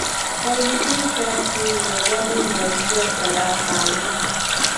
تولیدي کرښې له لوړ ظرفیت سره فعالې دي.